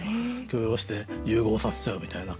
許容して融合させちゃうみたいな。